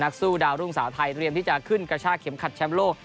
สู้ดาวรุ่งสาวไทยเตรียมที่จะขึ้นกระชากเข็มขัดแชมป์โลก